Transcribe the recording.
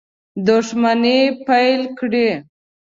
دښمني پیل کړي.